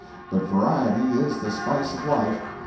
But variety is the spice of life.